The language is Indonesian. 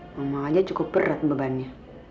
mama aja cukup berat bebannya